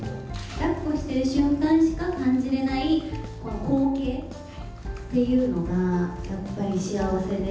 だっこしている瞬間しか感じれない光景っていうのがやっぱり幸せで。